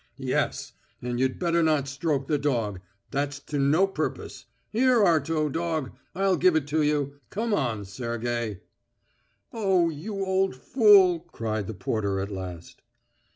Yes! And you'd better not stroke the dog. That's to no purpose. Here, Arto, dog, I'll give it you. Come on, Sergey." "Oh, you old fool!" cried the porter at last.